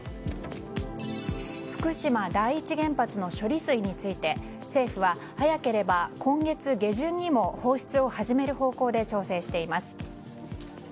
福島第一原発の処理水について政府は、早ければ今月下旬にも放出を始める方向で調整しています。